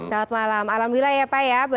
selamat malam alhamdulillah ya pak ya